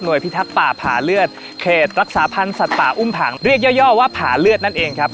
พิทักษ์ป่าผาเลือดเขตรักษาพันธ์สัตว์ป่าอุ้มผังเรียกย่อว่าผาเลือดนั่นเองครับ